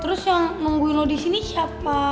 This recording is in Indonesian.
terus yang nungguin lo disini siapa